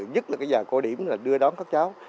nhất là cái dạng cố điểm là đưa đón các cháu